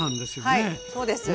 はいそうです。